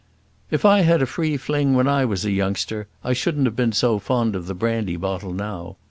"If I'd had a free fling when I was a youngster, I shouldn't have been so fond of the brandy bottle now.